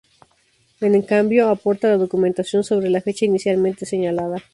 En cambio, aporta la documentación sobre la fecha inicialmente señalada.